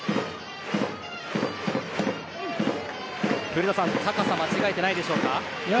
古田さん、高さ間違えてないでしょうか。